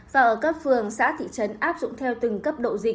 và ở các phường xã thị trấn áp dụng theo từng cấp độ